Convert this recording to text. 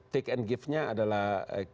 take and give nya adalah